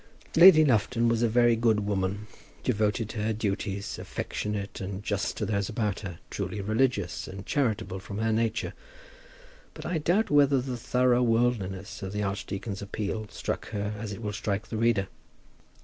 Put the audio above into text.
Lady Lufton was a very good woman, devoted to her duties, affectionate and just to those about her, truly religious, and charitable from her nature; but I doubt whether the thorough worldliness of the archdeacon's appeal struck her as it will strike the reader.